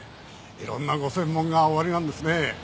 色んなご専門がおありなんですね。